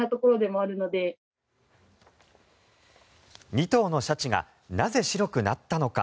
２頭のシャチがなぜ白くなったのか。